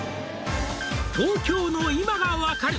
「東京の今が分かる」